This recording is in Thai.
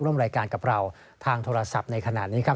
ร่วมรายการกับเราทางโทรศัพท์ในขณะนี้ครับ